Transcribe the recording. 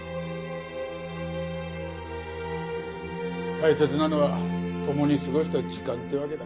大切なのは共に過ごした時間ってわけだ。